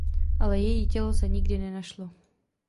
Ale její tělo se nikdy nenašlo.